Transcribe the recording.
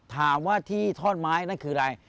ถามว่าที่ท่อนไม้นั่นคืออะไร